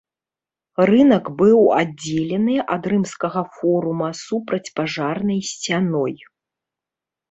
Рынак быў аддзелены ад рымскага форума супрацьпажарнай сцяной.